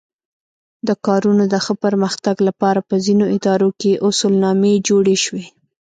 د کارونو د ښه پرمختګ لپاره په ځینو ادارو کې اصولنامې جوړې شوې.